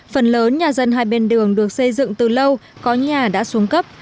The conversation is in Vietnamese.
phần lớn nhà dân hai bên đường được xây dựng từ lâu có nhà đã xuống cấp